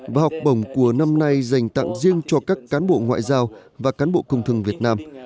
và học bổng của năm nay dành tặng riêng cho các cán bộ ngoại giao và cán bộ công thương việt nam